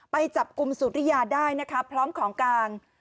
ไปจับกลุ่มสุริยาได้นะคะพร้อมของกลาง